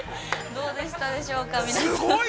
◆どうでしたでしょうか、皆さん。